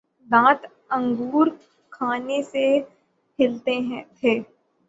دانت انگور کھانے سے ہلتے تھے